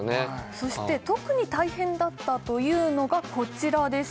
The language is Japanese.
そして特に大変だったというのがこちらです